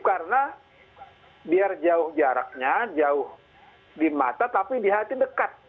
karena biar jauh jaraknya jauh di mata tapi di hati dekat